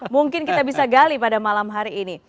mungkin kita bisa gali pada malam hari ini